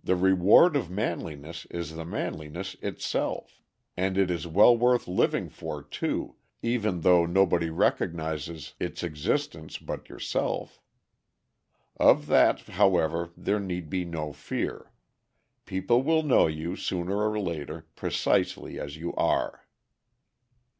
The reward of manliness is the manliness itself; and it is well worth living for too, even though nobody recognizes its existence but yourself. Of that, however, there need be no fear. People will know you, sooner or later, precisely as you are."